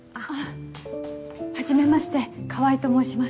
はじめまして川合と申します。